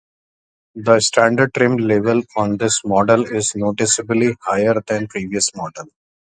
The standard trim level on this model is noticeably higher than previous models.